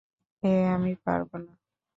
এ আমি পরব না।